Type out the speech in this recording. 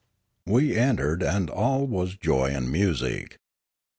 We entered, and all was joy and music.